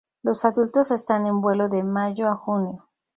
Los adultos están en vuelo de mayo a junio.